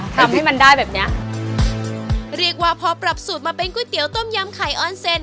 ทำให้มันได้แบบเนี้ยเรียกว่าพอปรับสูตรมาเป็นก๋วยเตี๋ต้มยำไข่ออนเซ็น